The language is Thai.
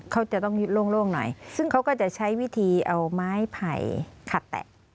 เขาจะต้องโล่งหน่อยซึ่งเขาก็จะใช้วิธีเอาไม้ไผ่ขัดแตะ